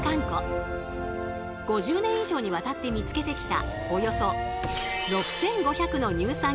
５０年以上にわたって見つけてきた